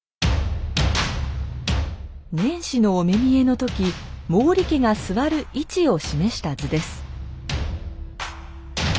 年始のお目見えの時毛利家が座る位置を示した図です。